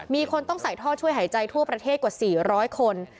มีคนต้องใส่ท่อช่วยหายใจทั่วประเทศกว่า๔๐๐คน